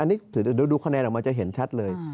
อันนี้เดี๋ยวดูขนาดออกมาจะเห็นชัดเลย